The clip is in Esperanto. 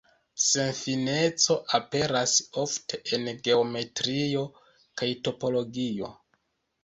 Senfineco aperas ofte en geometrio kaj topologio.